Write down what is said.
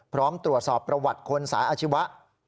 พร้อมตรวจสอบประวัติคนสายอาชีวะ